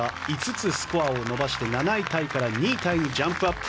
５つスコアを伸ばして７位タイから２位タイにジャンプアップ。